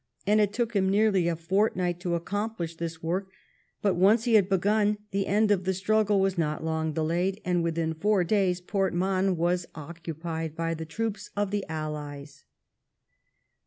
It took him nearly a fortnight to accomplish this work, but once he had begun, the end of the struggle was not long 1708 9 STANHOPE SECURES PORT MAHON. 33 delayed, and within four days Port Mahon was occupied by the troops of the Allies.